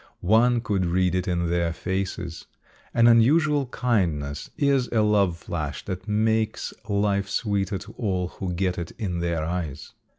One could read it in their faces. An unusual kindness is a love flash that makes life sweeter to all who get it in their eyes.